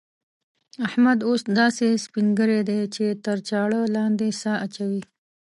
احمد اوس داسې سپين ږيری دی چې تر چاړه لاندې سا اچوي.